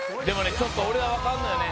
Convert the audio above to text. ちょっと俺は分かるのよね